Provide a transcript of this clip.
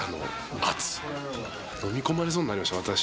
私ものみ込まれそうになりました。